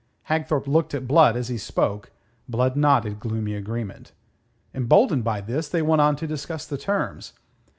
Hagthorpe looked at Blood as he spoke. Blood nodded gloomy agreement. Emboldened by this, they went on to discuss the terms.